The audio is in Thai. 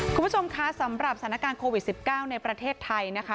คุณผู้ชมคะสำหรับสถานการณ์โควิด๑๙ในประเทศไทยนะคะ